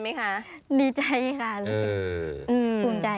น้ำตาตกโคให้มีโชคเมียรสิเราเคยคบกันเหอะน้ำตาตกโคให้มีโชค